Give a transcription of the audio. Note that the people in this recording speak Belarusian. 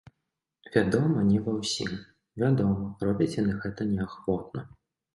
Вядома, не ва ўсім, вядома, робяць яны гэта неахвотна.